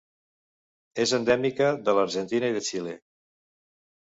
És endèmica de l'Argentina i de Xile.